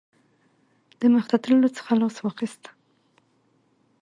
د مخته تللو څخه لاس واخیست.